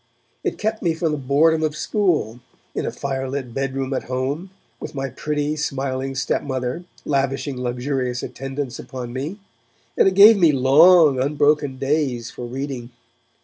It kept me from the boredom of school, in a fire lit bedroom at home, with my pretty, smiling stepmother lavishing luxurious attendance upon me, and it gave me long, unbroken days for reading.